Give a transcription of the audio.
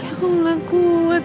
aku gak kuat